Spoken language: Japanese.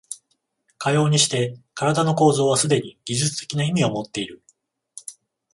かようにして身体の構造はすでに技術的な意味をもっている。